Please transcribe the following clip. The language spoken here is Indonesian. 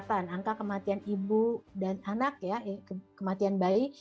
angka kematian ibu dan anak ya kematian bayi